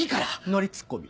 ノリツッコミ。